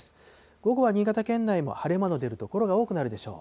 午後は新潟県内も晴れ間の出る所が多くなるでしょう。